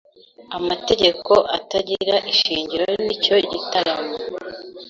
Amategeko atagira ishingiro ni cyo gitaramo